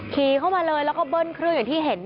ขี่เข้ามาเลยแล้วก็เบิ้ลเครื่องอย่างที่เห็น